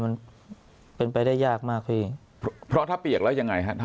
มันเป็นไปได้ยากมากพี่เพราะถ้าเปียกแล้วยังไงฮะ